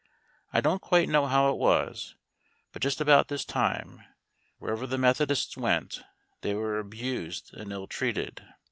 I don't quite know how it was, but just about this time, wherever the Methodists went, they were abused and ill treated.